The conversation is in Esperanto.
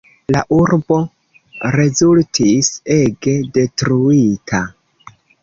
La urbo rezultis ege detruita.